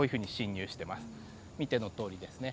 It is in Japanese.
見てのとおりですね。